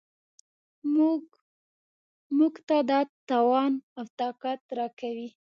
موږ ته دا توان او طاقت راکوي.